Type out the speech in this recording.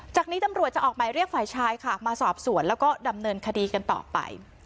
จากนี้ตำรวจจะออกหมายเรียกฝ่ายชายค่ะมาสอบสวนแล้วก็ดำเนินคดีกันต่อไป